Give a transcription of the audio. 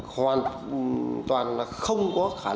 hoàn toàn là không có tính chất vô cơ